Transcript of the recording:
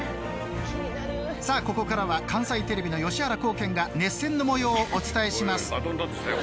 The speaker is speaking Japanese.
さあここからは関西テレビの吉原功兼が熱戦のもようをお伝えします。